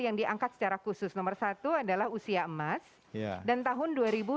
jangan lupa untuk berikan duit kepada tuhan